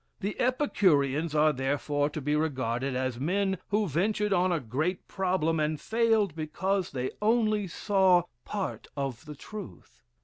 The Epicureans are therefore to be regarded as men who ventured on a great problem, and failed because they only saw part of the truth."